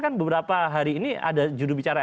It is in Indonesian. kan beberapa hari ini ada judul bicara